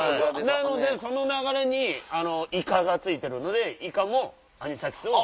なのでその流れにイカがついてるのでイカもアニサキスを。